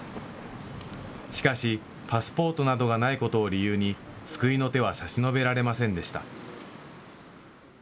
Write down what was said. しかし、パスポートなどがないことを理由に、救いの手は差し伸べられませんでした。